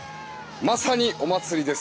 まさにお祭りです。